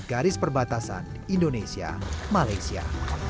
garis perbatasan indonesia malaysia